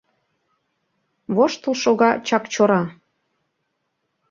Воштыл шога Чакчора.